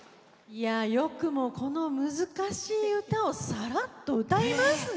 よくもこの難しい歌をさらっと歌いますね。